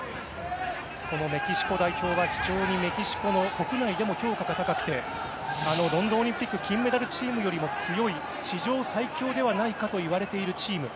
メキシコ代表は非常にメキシコ国内でも評価が高くてあのロンドンオリンピック金メダルチームよりも強い史上最強ではないかといわれているチーム。